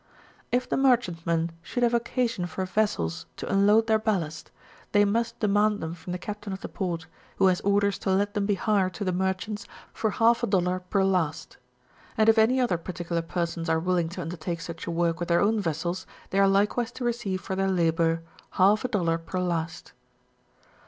If the merchantmen should have occasion for vessels to unload their ballast, they must demand them from the captain of the port, who has orders to let them be hired to the merchants for half a dollar per last; and if any other particular persons are willing to undertake such a work with their own vessels, they are likewise to receive for their labour half a dollar per last.